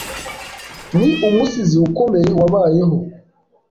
Ni umusizi ukomeye wabayeho.